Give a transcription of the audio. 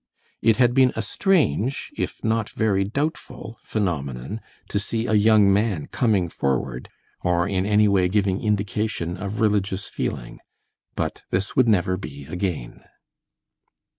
It had been a strange, if not very doubtful, phenomenon to see a young man "coming forward," or in any way giving indication of religious feeling. But this would never be again.